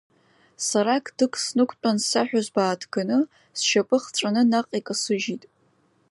Сара қдык снықәтәан саҳәызба ааҭганы сшьапы хҵәаны наҟ икасыжьит.